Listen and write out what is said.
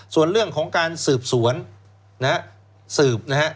ส่วนเรื่องของการสืบสวนสืบนะครับ